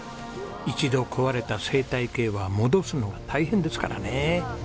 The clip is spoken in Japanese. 一度壊れた生態系は戻すのが大変ですからね。